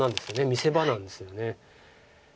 見せ場なんですよね。